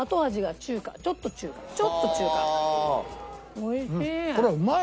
おいしい！